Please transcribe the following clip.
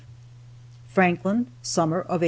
FRANKLIN, SUMMER OF 1865.